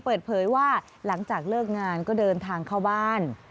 เปิดเผยว่าหลังจากเลิกงานก็เดินทางเข้าบ้าน